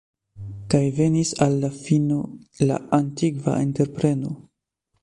Kaj venis al la fino la antikva entrepreno.